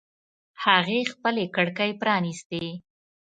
هغې خپلې کړکۍ پرانیستې